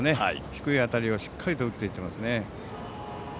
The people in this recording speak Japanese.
引く当たりをしっかりと打っていってますね。